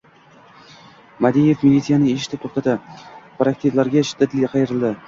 Madiev militsiyani eshitib, to‘xtadi. Partaktivlarga shiddatli qayrildi.